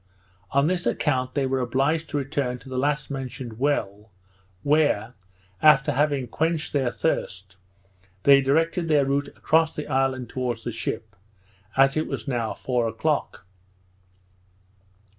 On this account they were obliged to return to the last mentioned well, where, after having quenched their thirst, they directed their route across the island towards the ship, as it was now four o'clock.